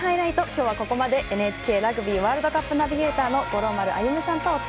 今日はここまでＮＨＫラグビーワールドカップナビゲーターの五郎丸歩さんとお伝えしました。